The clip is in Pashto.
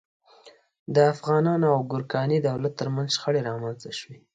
د افغانانو او ګورکاني دولت تر منځ شخړې رامنځته شوې.